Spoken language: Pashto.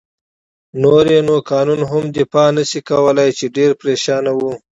نور يې نو قانون هم دفاع نه شي کولای، چې ډېر پرېشان و.